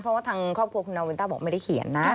เพราะว่าทางครอบครัวคุณนาวินต้าบอกไม่ได้เขียนนะ